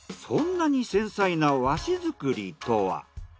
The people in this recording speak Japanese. そんなに繊細な和紙作りとは？